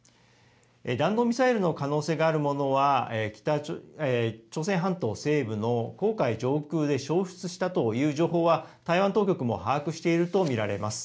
弾道ミサイルの可能性のあるものは、朝鮮半島西部の黄海上空で消失したという情報は、台湾当局も把握していると見られます。